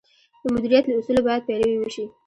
د مدیریت له اصولو باید پیروي وشي.